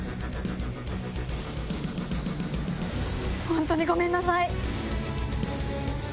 本当にごめんなさい！